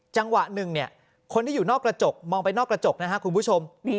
จังหวะหนึ่งเนี่ยคนที่อยู่นอกกระจกมองไปนอกกระจกนะครับคุณผู้ชม